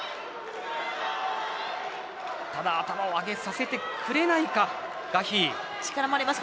ただ頭を上げさせてくれないかガヒーです。